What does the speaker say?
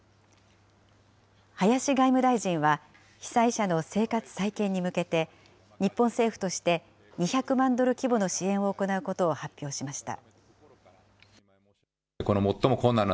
林外務大臣は、被災者の生活再建に向けて、日本政府として、２００万ドル規模の支援を行うことを発表しました。